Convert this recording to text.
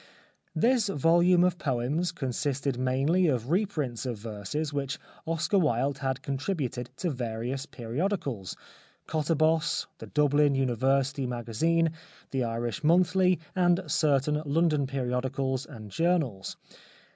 This volume of poems consisted mainly of reprints of verses which Oscar Wilde had con tributed to various periodicals, KoUabos, The Dublin University Magazine, The Irish Monthly, and certain London periodicals and journals.